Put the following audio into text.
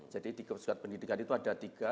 jadi di pusat pendidikan itu ada tiga